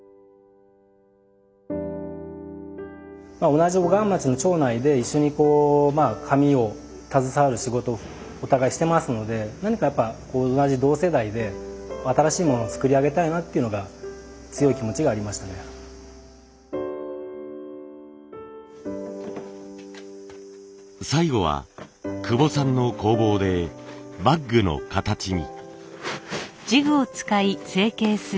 同じ小川町の町内で一緒に紙を携わる仕事をお互いしてますので何かやっぱ最後は久保さんの工房でバッグの形に。